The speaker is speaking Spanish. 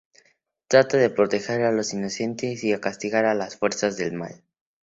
Trata de proteger a los inocentes y de castigar a las "Fuerzas del Mal".